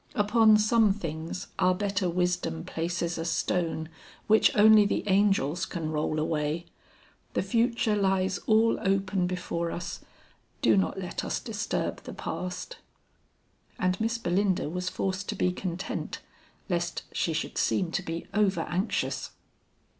"Upon some things our better wisdom places a stone which only the angels can roll away. The future lies all open before us; do not let us disturb the past." And Miss Belinda was forced to be content lest she should seem to be over anxious.